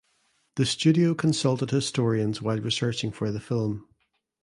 The studio consulted historians while researching for the film.